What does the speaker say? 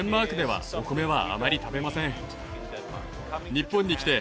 日本に来て。